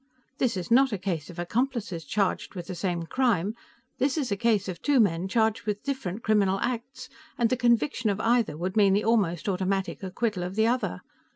This is not a case of accomplices charged with the same crime; this is a case of two men charged with different criminal acts, and the conviction of either would mean the almost automatic acquittal of the other.